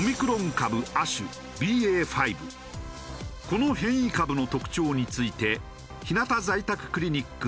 このこの変異株の特徴についてひなた在宅クリニック